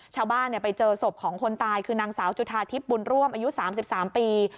ชาวบ้านไปเจอศพของคนตายคือนางสาวจุธาทิพย์บุญร่วมอายุ๓๓ปี